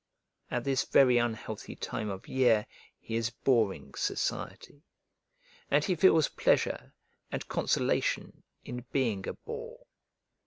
At this very unhealthy time of year he is boring society, and he feels pleasure and consolation in being a bore.